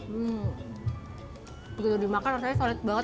hmm begitu dimakan rasanya solid banget